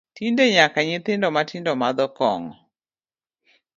Tinde nyaka nyithindo mathindo madho kong’o